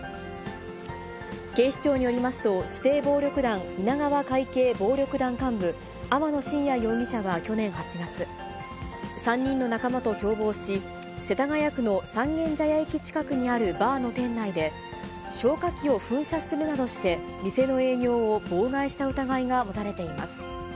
警視庁によりますと、指定暴力団稲川会系暴力団幹部、天野信也容疑者は去年８月、３人の仲間と共謀し、世田谷区の三軒茶屋駅近くのバーの店内で、消火器を噴射するなどして店の営業を妨害した疑いが持たれています。